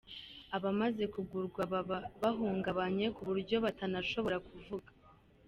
Abamaze kugurwa baba bahungabanye ku buryo batanashobora kuvuga.